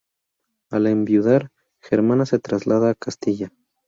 Al enviudar, Germana se traslada a Castilla.